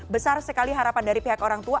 besar sekali harapan dari pihak orang tua